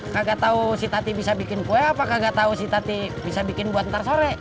kagak tau si tati bisa bikin kue apa kagak tau si tati bisa bikin buat ntar sore